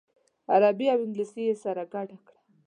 عربي او انګلیسي یې سره ګډه کړه.